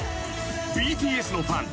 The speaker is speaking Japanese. ［ＢＴＳのファン。